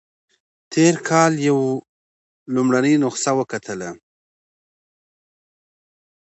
تېر کال یې لومړنۍ نسخه وکتله.